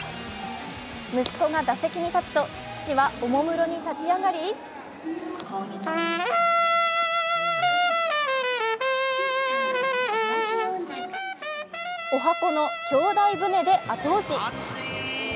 息子が打席に立つと、父はおもむろに立ち上がりおはこの「兄弟船」で後押し。